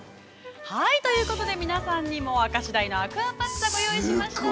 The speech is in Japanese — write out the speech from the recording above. ◆ということで、皆さんにも明石鯛のアクアパッツアご用意しました。